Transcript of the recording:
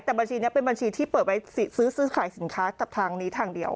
แต่บัญชีนี้เป็นบัญชีที่เปิดไว้ซื้อขายสินค้ากับทางนี้ทางเดียว